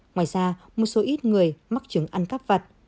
ngoài ra một số ít người mắc chứng ăn cắp vật